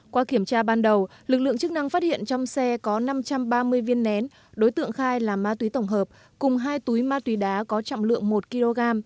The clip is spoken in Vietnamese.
qua kiểm tra ban đầu lực lượng chức năng phát hiện trong xe có năm trăm ba mươi viên nén đối tượng khai là ma túy tổng hợp cùng hai túi ma túy đá có trọng lượng một kg